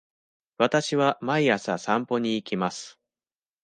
わたしは毎朝散歩に行きます。